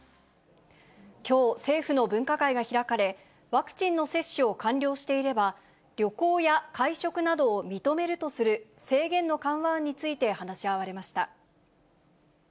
きょう、政府の分科会が開かれ、ワクチンの接種を完了していれば、旅行や会食などを認めるとする制限の緩和案について話し合われました。